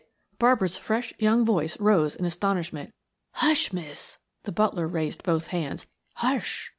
Barbara's fresh young voice rose in astonishment. "Hush, miss!" The butler raised both hands. "Hush!"